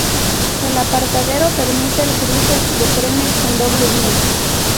El apartadero permite el cruce de trenes con doble vía.